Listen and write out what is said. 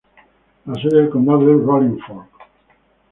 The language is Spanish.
La sede del condado es Rolling Fork.